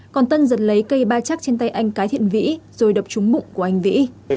còn tân giật lấy cây ba chắc trên tay anh cái thiện vĩ rồi đập trúng mụng của anh vĩ